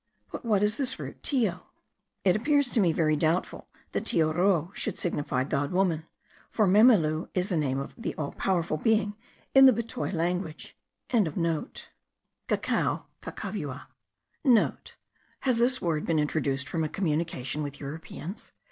But what is this root Teo? It appears to me very doubtful, that Teo ro should signify God woman, for Memelu is the name of the All powerful Being in the Betoi langnage.) Cacao : Cacavua* (* Has this word been introduced from a communication with Europeans?